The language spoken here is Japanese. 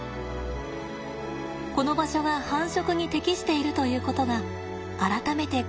この場所が繁殖に適しているということが改めて確認できました。